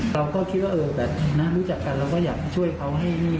เราก็คิดว่ารู้จักกันเราก็อยากช่วยเขาให้นี่